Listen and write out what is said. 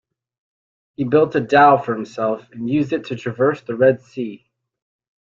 He built a dhow for himself and used it to traverse the Red Sea.